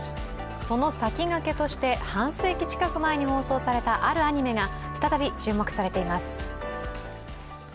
その先駆けとして半世紀近く前に放送された、あるアニメが再び注目されています。